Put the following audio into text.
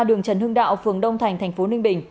đường trần hưng đạo phường đông thành tp ninh bình